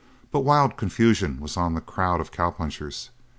But wild confusion was on the crowd of cowpunchers.